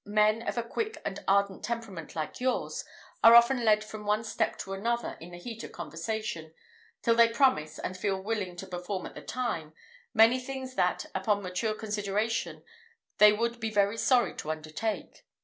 Men of a quick and ardent temperament like yours, are often led from one step to another in the heat of conversation, till they promise, and feel willing to perform at the time, many things that, upon mature consideration, they would be very sorry to undertake.